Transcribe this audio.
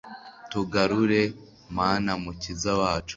Tugarure Mana mukiza wacu